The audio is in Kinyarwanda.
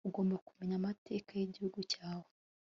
ugomba kumenyera amateka yigihugu cyawe